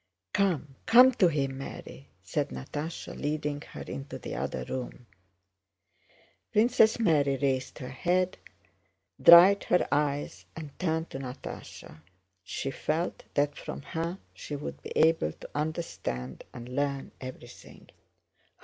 "Come, come to him, Mary," said Natásha, leading her into the other room. Princess Mary raised her head, dried her eyes, and turned to Natásha. She felt that from her she would be able to understand and learn everything.